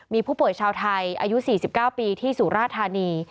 มีผู้ป่วยชาวไทยอายุ๔๙ปีที่สุราธานี